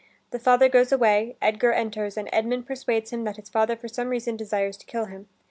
The father goes away, Edgar enters and Edmund persuades him that his father for some reason desires to kill him.